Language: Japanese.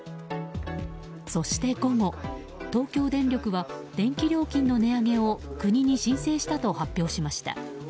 そして午後東京電力は電気料金の値上げを国に申請したと発表しました。